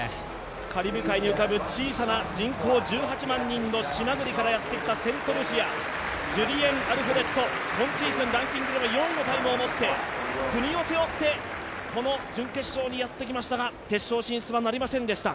カリブ海に浮かぶセントルシアからやってきたジュリエン・アルフレッド、今シーズンランキングでは４位のタイムを持って国を背負って、この準決勝にやってきましたが、決勝進出はなりませんでした。